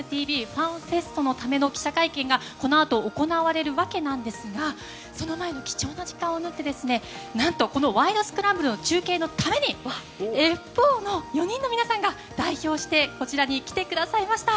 ＧＭＭＴＶＦＡＮＦＥＳＴのための記者会見がこのあと行われるわけなんですがその前に、貴重な時間を縫って何と、この「ワイド！スクランブル」の中継のために「Ｆ４」の４人の皆さんが代表してこちらに来てくださいました。